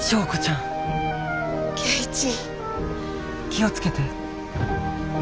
気を付けて。